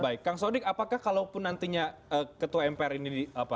baik kang sodyk apakah kalau pun nantinya ketua mpr ini